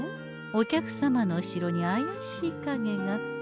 お客様の後ろにあやしいかげが。